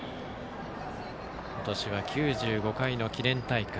今年は９５回の記念大会。